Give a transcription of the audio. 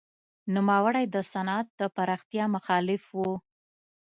نوموړی د صنعت د پراختیا مخالف و.